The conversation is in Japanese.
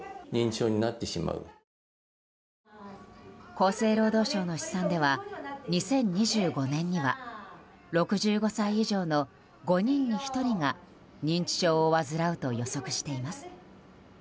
厚生労働省の試算では２０２５年には６５歳以上の５人に１人が認知症を患うと予測しています。